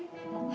ya bener ma